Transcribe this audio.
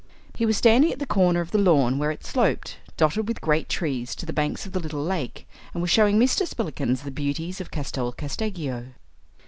He was standing at the corner of the lawn where it sloped, dotted with great trees, to the banks of the little lake, and was showing Mr. Spillikins the beauties of Castel Casteggio.